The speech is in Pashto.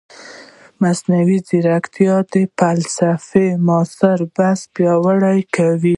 مصنوعي ځیرکتیا د فلسفې معاصر بحث پیاوړی کوي.